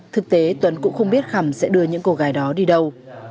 thực tế tuấn cũng không biết khảm sẽ đưa những cô gái đó đi đâu